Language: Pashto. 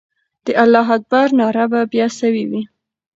د الله اکبر ناره به بیا سوې وي.